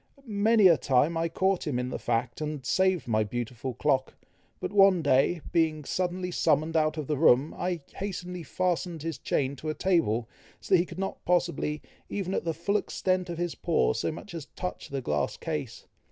Many a time I caught him in the fact, and saved my beautiful clock; but one day, being suddenly summoned out of the room, I hastily fastened his chain to a table, so that he could not possibly, even at the full extent of his paw, so much as touch the glass case.